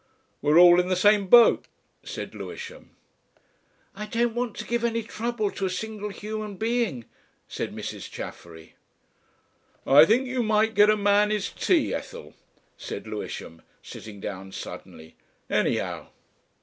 "We're all in the same boat," said Lewisham. "I don't want to give any trouble to a single human being," said Mrs. Chaffery. "I think you might get a man his tea, Ethel," said Lewisham, sitting down suddenly; "anyhow."